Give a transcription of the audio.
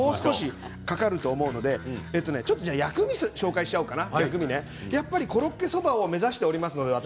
もうちょっとかかると思うので薬味を紹介しようかな。